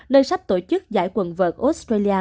nơi sắp tổ chức giải quần vợt australia